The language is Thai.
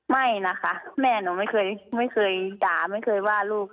ไม่นะคะแม่หนูไม่เคยด่าไม่เคยว่าลูก